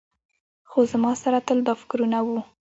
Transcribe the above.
خو زما سره تل دا فکرونه وو.